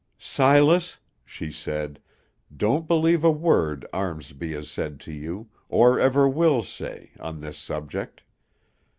"Silas," she said, "don't believe a word Armsby has said to you, or ever will say, on this subject.